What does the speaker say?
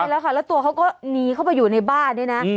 ใช่แล้วค่ะแล้วตัวเขาก็หนีเข้าไปอยู่ในบ้านด้วยนะ